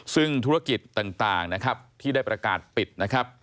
ซึ่งธุรกิจต่างนะครับที่ได้ประกาศปิดนะครับ